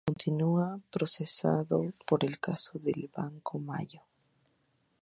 Aunque continúa procesado por el caso del Banco Mayo.